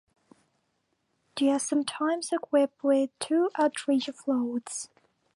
They are sometimes equipped with two outrigger floats.